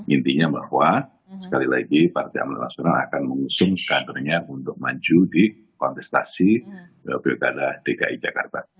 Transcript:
intinya bahwa sekali lagi partai amanat nasional akan mengusung kadernya untuk maju di kontestasi pilkada dki jakarta